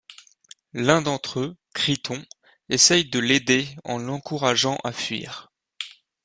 L'un d'entre eux, Criton, essaye de l'aider en l'encourageant à fuir.